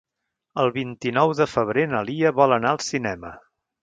El vint-i-nou de febrer na Lia vol anar al cinema.